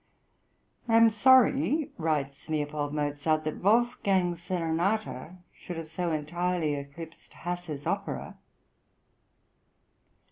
"I am sorry," writes L. Mozart, "that Wolfgang's serenata should have so entirely eclipsed Hasse's opera."